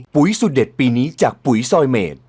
สุดเด็ดปีนี้จากปุ๋ยซอยเมด